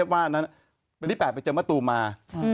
วันที่๘ไปเจอมะตุมมา